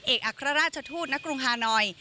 อัครราชทูตณกรุงฮานอย